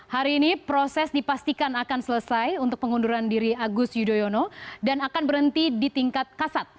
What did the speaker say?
hari ini proses dipastikan akan selesai untuk pengunduran diri agus yudhoyono dan akan berhenti di tingkat kasat